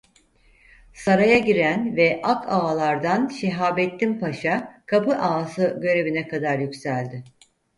Saray'a giren ve akağalardan Şehabettin Paşa kapı ağası görevine kadar yükseldi.